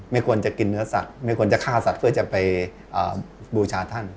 ไม่ควรจะกินเนื้อสัตว์ไม่ควรจะฆ่าสัตว์เพื่อจะไปบูชาท่าน